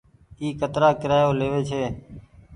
اي ڪترآ ڪيرآيو ليوي ڇي۔